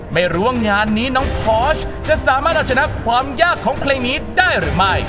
ไม่รู้ว่างานนี้น้องพอสจะสามารถเอาชนะความยากของเพลงนี้ได้หรือไม่